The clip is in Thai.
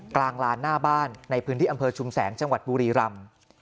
กลางลานหน้าบ้านในพื้นที่อำเภอชุมแสงจังหวัดบุรีรำ